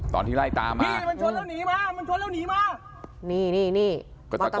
ตอนที่ไล่ตามมันชนแล้วหนีมา